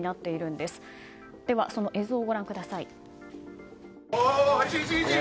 ではその映像をご覧ください。